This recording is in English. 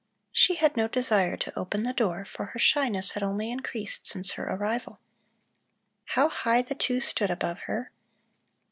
She had no desire to open the door, for her shyness had only increased since her arrival. How high the two stood above her!